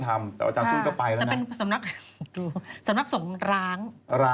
แต่เป็นสำนักส่งร้างนะ